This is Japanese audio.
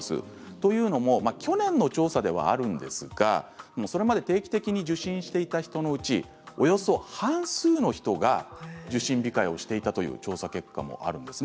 というのも去年の調査ではありますがそれまで定期的に受診していた人のうちおよそ半数の人が受診控えをしていたという調査結果もあるんです。